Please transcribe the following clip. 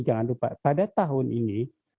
jangan lupa pada tahun ini